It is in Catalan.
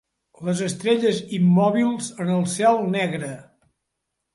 Les estrelles immòbils en el cel negre